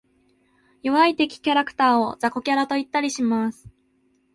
弱い敵キャラクターを雑魚キャラと言ったりします。